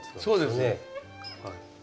そうです。